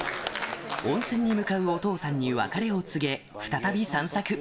温泉に向かうお父さんに別れを告げ、再び散策。